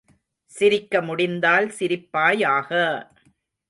சிரிக்க முடிந்தால் சிரிப்பாயாக!